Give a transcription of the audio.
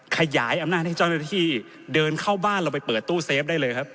ขยายอำนาจให้เจ้าหน้าที่เดินเข้าบ้านเราไปเปิดตู้เซฟได้เลยครับ